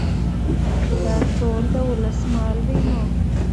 چې دا ټول د ولس مال دى نو